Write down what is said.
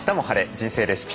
人生レシピ」